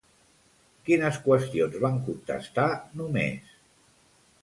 Quines qüestions van contestar només?